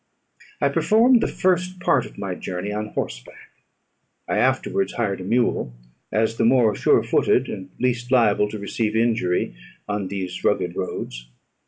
I performed the first part of my journey on horseback. I afterwards hired a mule, as the more sure footed, and least liable to receive injury on these rugged roads.